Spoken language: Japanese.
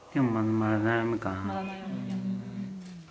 ・まだ悩む？